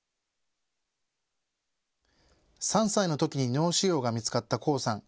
３歳のときに脳腫瘍が見つかった巧さん。